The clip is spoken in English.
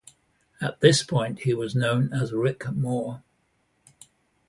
At this point, he was known as Rick Moore.